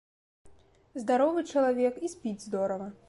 Здаровы чалавек і спіць здорава.